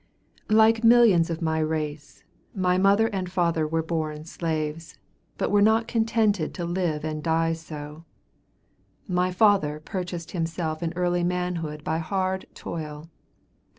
Like millions of my race, my mother and father were born slaves, but were not contented to live and die so. My father purchased himself in early manhood by hard toil.